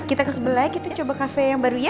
kita ke sebelah kita coba cafe yang baru ya